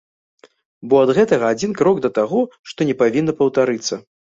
Бо ад гэтага адзін крок да таго, што не павінна паўтарыцца.